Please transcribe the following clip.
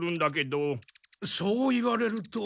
そう言われると。